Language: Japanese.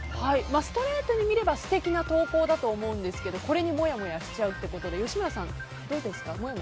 ストレートに見れば素敵な投稿だと思うんですがこれにもやもやしちゃうということで吉村さん、どうですか？